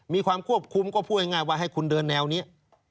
มีความควบคุมก็พูดง่ายว่าให้คุณเดินแนวนี้